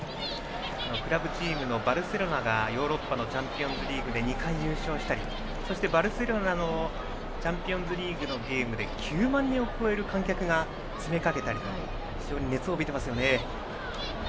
クラブチームのバルセロナが、ヨーロッパのチャンピオンズリーグで２回優勝したりそしてバルセロナのチャンピオンズリーグのゲームで９万人を超える観客が集まったり非常に熱を帯びていますよね。